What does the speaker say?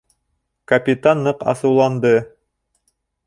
Капитан ныҡ асыуланды.